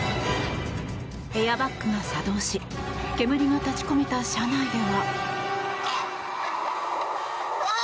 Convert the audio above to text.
エアバッグが作動し煙が立ち込めた車内では。